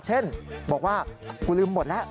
เช่นบอกว่ากูลืมหมดแล้ว